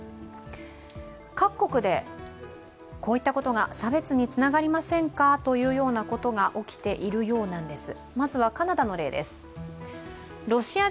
各国でこういったことが差別につながりませんかということが起きているようです。